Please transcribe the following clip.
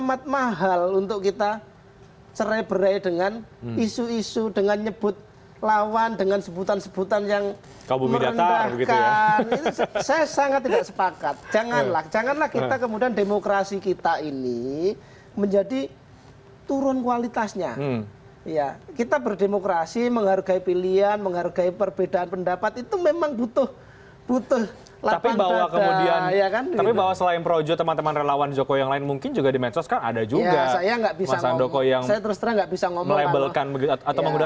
atau menggunakan pelabelan itu ya di sosial media